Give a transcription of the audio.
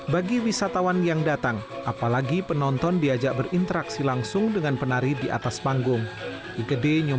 bagi wisatawan yang datang apalagi penonton diajak berinteraksi langsung dengan penari di atas panggung